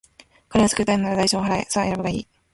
彼を救いたいのなら、代償を払え。さあ、選ぶがいい。